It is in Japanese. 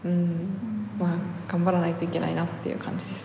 まあ頑張らないといけないなっていう感じです